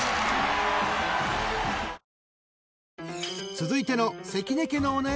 ［続いての］